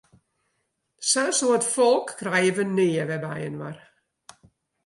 Sa'n soad folk krije wy nea wer byinoar!